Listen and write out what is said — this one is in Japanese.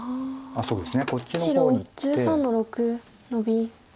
そうですね